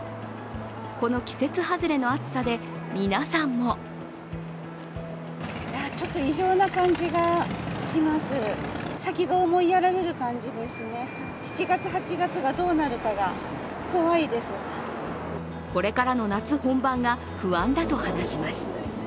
この季節外れの暑さで皆さんもこれからの夏本番が不安だと話します。